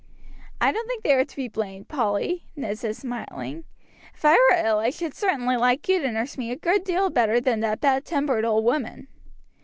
"I don't think they are to be blamed, Polly," Ned said, smiling. "If I were ill I should certainly like you to nurse me a great deal better than that bad tempered old woman."